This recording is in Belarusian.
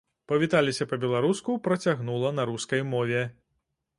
Павіталася па-беларуску, працягнула на рускай мове.